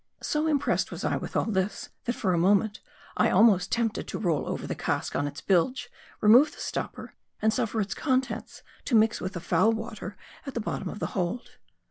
So impressed was I with all this, that for a moment, I was almost tempted to roll over the cask on its bilge, re move the stopper, and suffer its contents to mix with the foul water at the bottom of the hold.